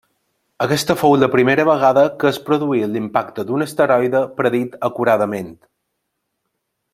Aquesta fou la primera vegada que es produïa l'impacte d'un asteroide predit acuradament.